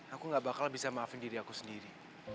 aku gak bakal bisa maafin diri aku sendiri